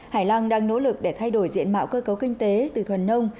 hải lăng đang nỗ lực để thay đổi diện mạo cơ cấu kinh tế từ thuần nông